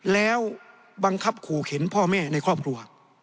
แล้วบังคับขู่เข็นพ่อแม่ในครอบครัว